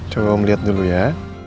coba om lihat dulu ya